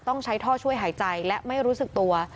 ต้องใช้ท่อช่วยหายใจและไม่รู้สึกตัว